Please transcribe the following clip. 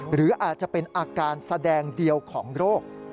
หรืออาจจะเป็นอาการแสดงเดียวของโรค